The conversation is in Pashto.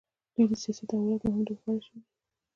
دوی د سیاسي تحولاتو مهم لوبغاړي شوي دي.